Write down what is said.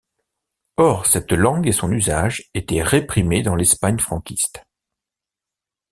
Or cette langue et son usage étaient réprimés dans l’Espagne franquiste.